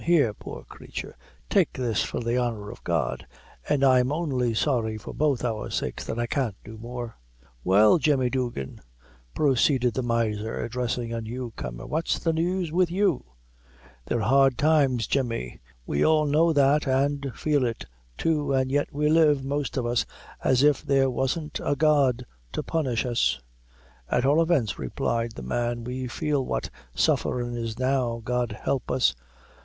Here, poor creature, take this for the honor of God: an' I'm only sorry, for both our sakes, that I can't do more." "Well, Jemmy Duggan," proceeded the miser, addressing a new comer, "what's the news wid you? They're hard times, Jemmy; we all know that an' feel it too, and yet we live, most of us, as if there wasn't a God ta punish us." "At all events," replied the man, "we feel what sufferin' is now, God help us!